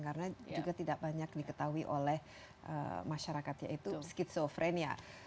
karena juga tidak banyak diketahui oleh masyarakat yaitu skizofrenia